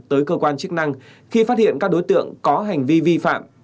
tới cơ quan chức năng khi phát hiện các đối tượng có hành vi vi phạm